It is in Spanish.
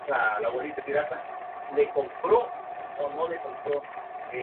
El mismo razonamiento vale en el aspecto económico.